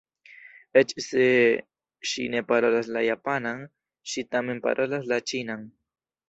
Eĉ se ŝi ne parolas la japanan, ŝi tamen parolas la ĉinan.